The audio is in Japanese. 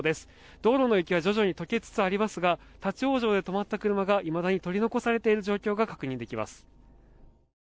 道路の雪は徐々に解けつつありますが立ち往生で止まった車がいまだに取り残されている状況が確認できます。